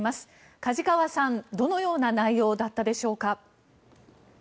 梶川さん、どのような内容だったでしょうか。